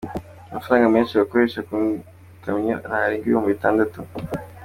Amafaranga menshi bakoresha ku ikamyo ntarenga ibihumbi bitandatu.